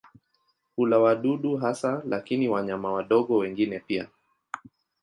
Hula wadudu hasa lakini wanyama wadogo wengine pia.